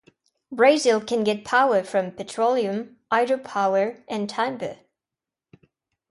Brazil can get power from petroleum, hydropower, and timber.